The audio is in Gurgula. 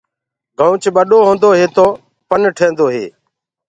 گنوُچ ٻڏو هوندو هي تو پن ٺيندو هي۔